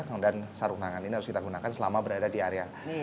kemudian sarung tangan ini harus kita gunakan selama berada di area